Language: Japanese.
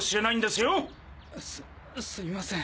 すすいません。